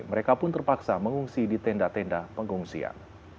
mereka pun terpaksa mengungsi di tenda tenda pengungsian